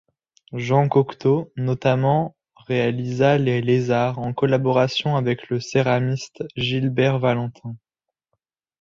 Jean Cocteau, notamment, réalisa Les Lézards en collaboration avec le céramiste Gilbert Valentin.